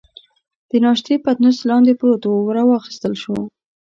د ناشتې پتنوس لاندې پروت وو، را واخیستل شو.